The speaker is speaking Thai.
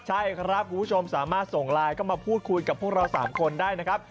ใช่ครับคุณผู้ชมสามารถส่งไลน์เข้ามาพูดคุยกับพวกเรา๓คนได้นะครับ